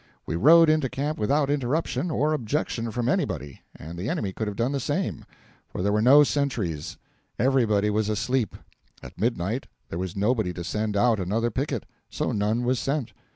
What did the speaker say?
We rode into camp without interruption or objection from anybody, and the enemy could have done the same, for there were no sentries. Everybody was asleep; at midnight there was nobody to send out another picket, so none was sent.